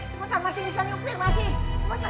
cuma orang masuk ke sini aja